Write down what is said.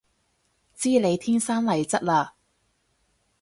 知你天生麗質嘞